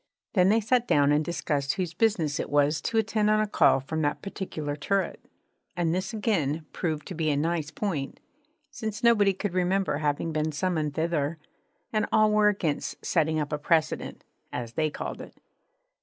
Then they sat down and discussed whose business it was to attend on a call from that particular turret; and this again proved to be a nice point, since nobody could remember having been summoned thither, and all were against setting up a precedent (as they called it).